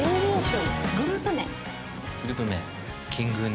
グループ名。